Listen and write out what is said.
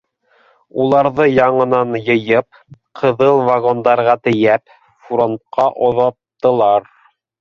Уларҙы яңынан йыйып, ҡыҙыл вагондарға тейәп, фронтҡа оҙаттылар.